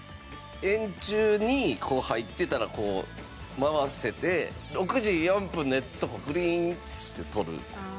円柱にこう入ってたらこう回せて６時４分のとこグリンッてして取る。